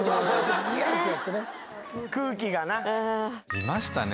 いましたね。